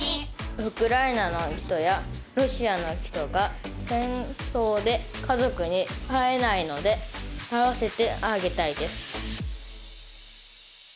「ウクライナの人やロシアの人が戦争で家族に会えないので会わせてあげたいです」。